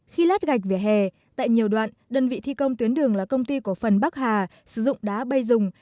khi lát gạch về hè tại nhiều đoạn đơn vị thi công tuyến đường là công ty cổ phần bắc hà sử dụng đá bay dùng